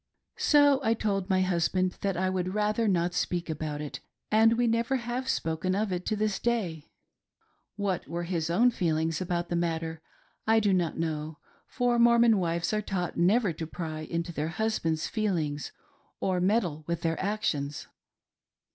So I told my husband that I would rather not speak about it, and we never have spoken of it to this day. What were his own feelings about the matter, I do not know, for Mormon wives are taught never to pry into their husband's feelings or meddle with their actions.